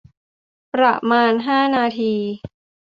ประมาณ ห้า นาที